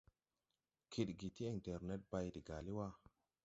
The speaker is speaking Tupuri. Kidgi ti ɛŋtɛrned bay de gaali wà.